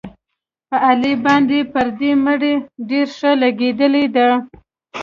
په علي باندې پردۍ مړۍ ډېره ښه لګېدلې ده.